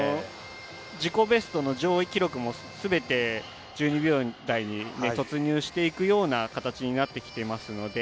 自己ベストの上位記録もすべて１２秒台に突入していく形になってきていますので。